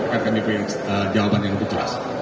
akan kami punya jawaban yang lebih keras